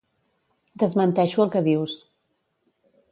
Desmenteixo el que dius.